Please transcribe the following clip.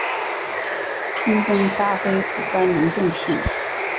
充分发挥主观能动性